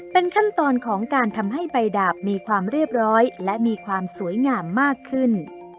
เป็นขั้นตอนของการทำให้ใบดาบมีความเรียบร้อยและมีความสวยงามมากขึ้น